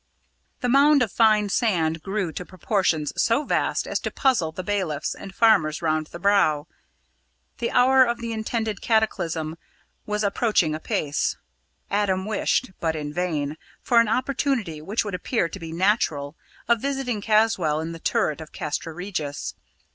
The mound of fine sand grew to proportions so vast as to puzzle the bailiffs and farmers round the Brow. The hour of the intended cataclysm was approaching apace. Adam wished but in vain for an opportunity, which would appear to be natural, of visiting Caswall in the turret of Castra Regis.